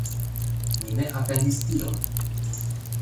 Mi ne atendis tion